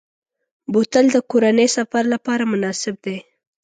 بوتل د کورنۍ سفر لپاره مناسب دی.